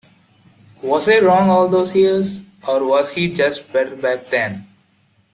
Was I wrong all those years, or was he just better back then?